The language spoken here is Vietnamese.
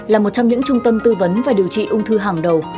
là một trong những trung tâm tư vấn và điều trị ung thư hàng đầu